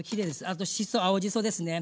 あとしそ青じそですね。